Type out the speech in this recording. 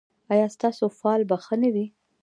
ایا ستاسو فال به ښه نه وي؟